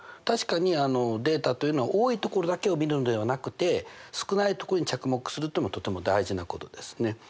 確かにデータというのは多いところだけを見るのではなくて少ないところに着目するっていうのとても大事なことですね。